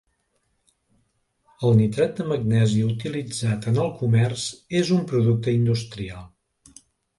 El nitrat de magnesi utilitzat en el comerç és un producte industrial.